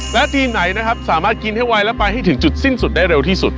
และทีมไหนนะครับสามารถกินให้ไวและไปให้ถึงจุดสิ้นสุดได้เร็วที่สุด